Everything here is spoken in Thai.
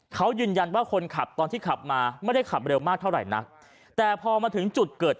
เขายืนยันว่าคนขับตอนที่ขับมาไม่ได้ขับเร็วมากเท่าไหร่นักแต่พอมาถึงจุดเกิด